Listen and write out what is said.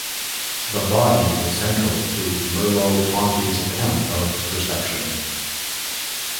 The body is central to Merleau-Ponty's account of perception.